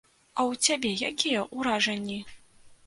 А ў цябе якія ўражанні?